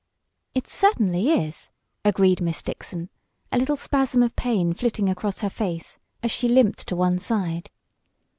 "It certainly is," agreed Miss Dixon, a little spasm of pain flitting across her face as she limped to one side.